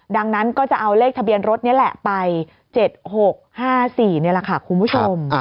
ดังนั้นก็จะเอาเลขทะเบียนรถนี่แหละไป๗๖๕๔นี่แหละค่ะคุณผู้ชม